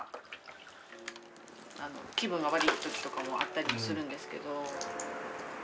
気分が悪いときとかもあったりもするんですけど。